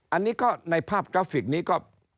อันนี้ก็ในภาพกราฟิกนี้ก็